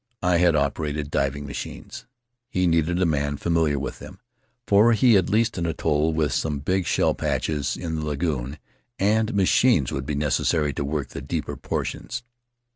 I had operated diving machines? He needed a man familiar with them, for he had leased an atoll with some big shell patches in the lagoon, and machines would be necessary to work the deeper portions.